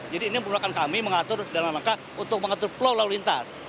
jadi ini membutuhkan kami mengatur dalam langkah untuk mengatur flow lalu lintas